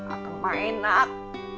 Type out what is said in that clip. akan mah enak